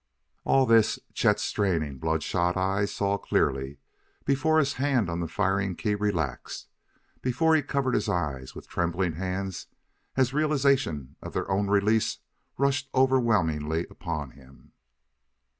All this Chet's straining, blood shot eyes saw clearly before his hand on the firing key relaxed, before he covered his eyes with trembling hands as realization of their own release rushed overwhelmingly upon him.